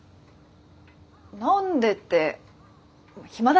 何でって暇だし。